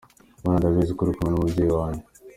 Mana, ndabizi ko uri kumwe n’umubyeyi wanjye.